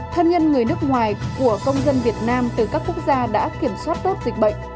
thân nhân người nước ngoài của công dân việt nam từ các quốc gia đã kiểm soát tốt dịch bệnh